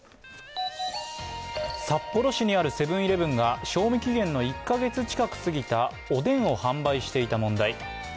札幌市にあるセブン−イレブンが賞味期限の１カ月近く過ぎたおでんを販売していた問題。